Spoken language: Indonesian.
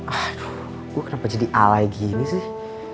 aduh gue kenapa jadi a lagi ini sih